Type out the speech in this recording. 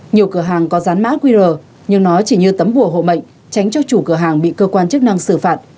nhiều cửa hàng có dán mã qr nhưng nó chỉ như tấm bùa hộ mệnh tránh cho chủ cửa hàng bị cơ quan chức năng xử phạt